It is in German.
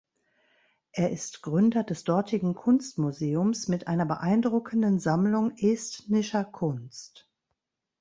Er ist Gründer des dortigen Kunstmuseums mit einer beeindruckenden Sammlung estnischer Kunst.